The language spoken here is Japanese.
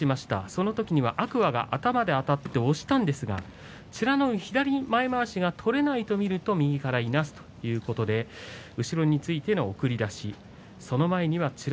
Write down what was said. その時は天空海が頭であたって押したんですが美ノ海は左前まわしが取れないと見ると右からいなすということで後ろについての送り出しでした。